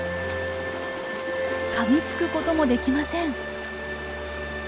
かみつくこともできません。